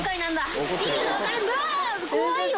怖いよ！